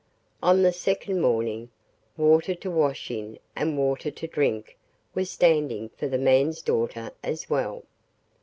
On the second morning, water to wash in and water to drink was standing for the man's daughter as well.